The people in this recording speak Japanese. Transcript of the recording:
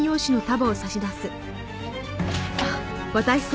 あっ。